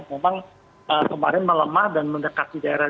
memang kemarin melemah dan mendekati daerah